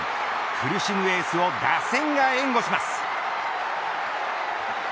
苦しむエースを打線が援護します。